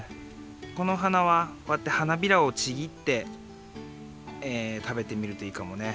この花はこうやって花びらをちぎって食べてみるといいかもね。